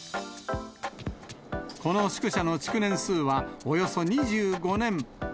この宿舎の築年数はおよそ２５年。